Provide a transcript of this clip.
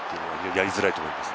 やりづらいと思います。